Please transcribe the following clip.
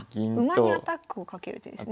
馬にアタックをかける手ですね。